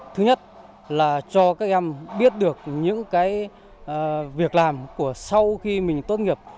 thứ nhất là cho các em biết được những việc làm của sau khi mình tốt nghiệp